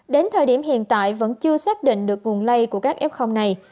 đến thời điểm hiện tại vẫn chưa xác định được nguồn lây của các f này